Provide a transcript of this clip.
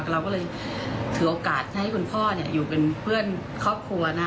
เราก็เลยถือโอกาสให้คุณพ่ออยู่เป็นเพื่อนครอบครัวนะ